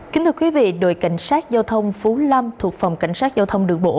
kính thưa quý vị đội cảnh sát giao thông phú lâm thuộc phòng cảnh sát giao thông đường bộ